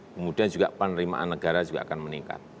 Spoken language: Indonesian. kemudian juga penerimaan negara juga akan meningkat